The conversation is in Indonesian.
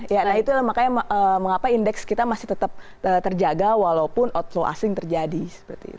ya nah itulah makanya mengapa indeks kita masih tetap terjaga walaupun outflow asing terjadi seperti itu